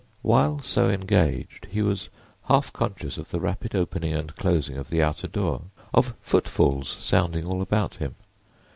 While so engaged he was half conscious of the rapid opening and closing of the outer door, of footfalls sounding all about him.